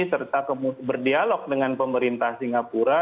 serta berdialog dengan pemerintah singapura